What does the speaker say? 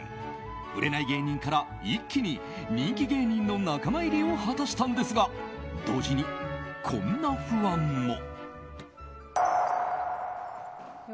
売れない芸人から一気に人気芸人の仲間入りを果たしたんですが同時にこんな不安も。